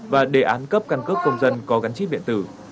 và đề án cấp căn cấp công dân có gắn chít biện tử